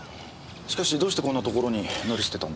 しかしどうしてこんな所に乗り捨てたんだろう。